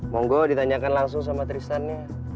monggo ditanyakan langsung sama tristannya